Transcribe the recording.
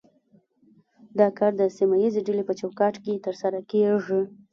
دا کار د سیمه ایزې ډلې په چوکاټ کې ترسره کیږي